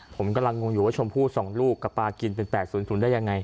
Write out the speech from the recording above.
ผมกำลังงงอยู่ว่าชมพู่๒ลูกกับปลากินเป็น๘๐๐ได้ยังไง